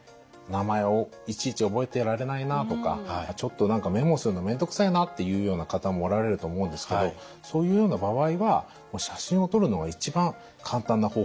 「名前をいちいち覚えてられないなあ」とか「ちょっと何かメモするの面倒くさいな」というような方もおられると思うんですけどそういうような場合は写真を撮るのが一番簡単な方法だと思います。